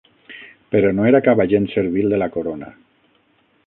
Però no era cap agent servil de la corona.